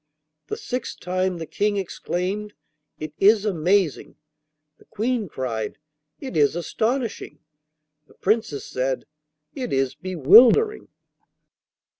The sixth time the King exclaimed, 'It is amazing!' The Queen cried, 'It is astonishing!' The Princess said, 'It is bewildering!